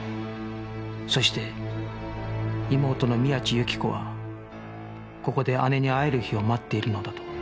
そして妹の宮地由起子はここで姉に会える日を待っているのだと